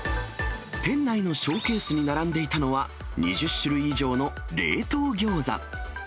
店内のショーケースに並んでいたのは、２０種類以上の冷凍ギョーザ。